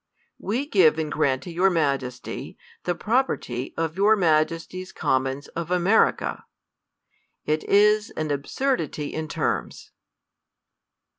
We give and grant to your Majesty, the property of your Majesty's Commons of America. It is an ab surdity in terms.